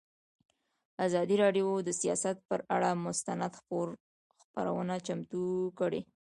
ازادي راډیو د سیاست پر اړه مستند خپرونه چمتو کړې.